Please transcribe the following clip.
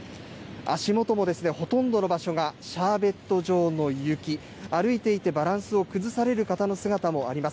足元もほとんどの場所がシャーベット状の雪、歩いていてバランスを崩される方の姿もあります。